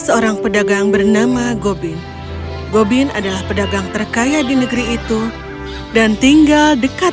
seorang pedagang bernama gobin gobin adalah pedagang terkaya di negeri itu dan tinggal dekat